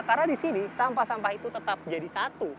karena disini sampah sampah itu tetap jadi satu